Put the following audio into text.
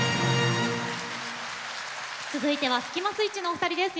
続いてはスキマスイッチのお二人です。